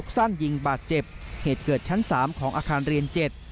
สั้นยิงบาดเจ็บเหตุเกิดชั้น๓ของอาคารเรียน๗